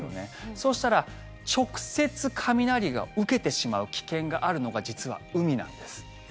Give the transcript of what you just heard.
そうしたら直接雷を受けてしまう危険があるのが実は海なんです。